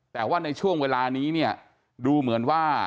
แต่ว่าในช่วงเวลานี้เนี่ยดูเหมือนว่า